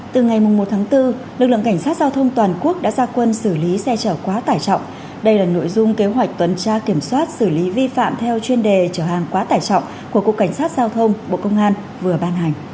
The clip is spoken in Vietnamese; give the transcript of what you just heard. từ ngày một tháng bốn lực lượng cảnh sát giao thông toàn quốc đã ra quân xử lý xe chở quá tải trọng đây là nội dung kế hoạch tuần tra kiểm soát xử lý vi phạm theo chuyên đề chở hàng quá tải trọng của cục cảnh sát giao thông bộ công an vừa ban hành